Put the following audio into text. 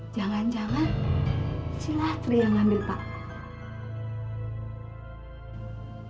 jangan jangan si lastri yang ngambil pak